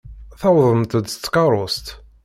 Tewwḍemt-d s tkeṛṛust.